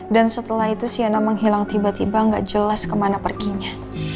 dan setelah itu shaina menghilang tiba tiba gak jelas kemana perginya